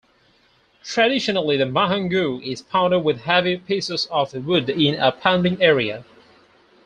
Traditionally the mahangu is pounded with heavy pieces of wood in a 'pounding area'.